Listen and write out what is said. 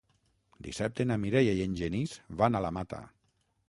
Dissabte na Mireia i en Genís van a la Mata.